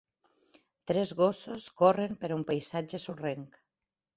Tres gossos corren per un paisatge sorrenc.